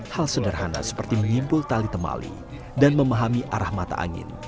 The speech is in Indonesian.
hal sederhana seperti menyimpul tali temali dan memahami arah mata angin